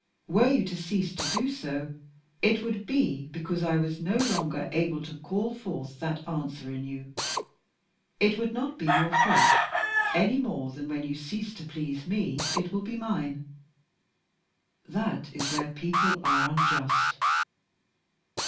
Were you to cease to do so, it would be because I was no longer able to call forth that answer in you. It would not be your fault any more than when you cease to please me it will be mine. That is where people are unjust."